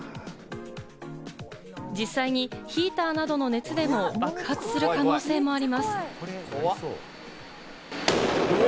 実際にヒーターなどの熱でも爆発する可能性もあります。